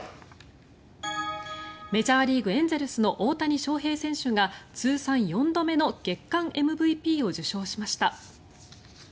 メジャーリーグエンゼルスの大谷翔平選手が通算４度目の月間ＭＶＰを受賞しました。